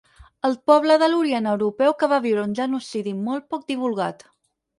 El poble de l'orient europeu que va viure un genocidi molt poc divulgat.